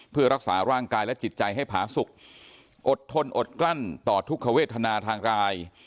เพื่อรักษาร่างกายและจิตใจให้ผาสุขอดทนอดกลั้นต่อทุกขเวทนาทางราย